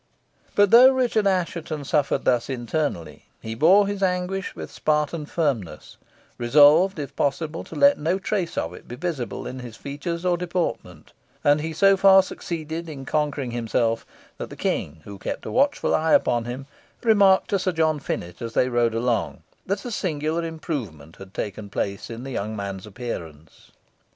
But though Richard Assheton suffered thus internally, he bore his anguish with Spartan firmness, resolved, if possible, to let no trace of it be visible in his features or deportment; and he so far succeeded in conquering himself, that the King, who kept a watchful eye upon him, remarked to Sir John Finett as they rode along, that a singular improvement had taken place in the young man's appearance.